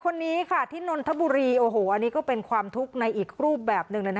คนนี้ค่ะที่นนทบุรีโอ้โหอันนี้ก็เป็นความทุกข์ในอีกรูปแบบหนึ่ง